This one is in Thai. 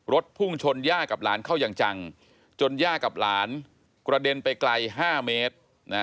พุ่งชนย่ากับหลานเข้าอย่างจังจนย่ากับหลานกระเด็นไปไกล๕เมตร